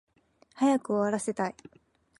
早く終わらせたい